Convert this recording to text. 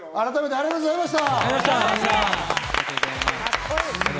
ありがとうございます！